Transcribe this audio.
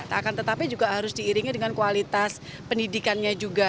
akan tetapi juga harus diiringi dengan kualitas pendidikannya juga